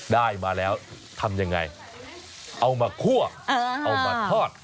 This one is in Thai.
ได้มาแล้วทำยังไงเอามาคั่วเอามาทอด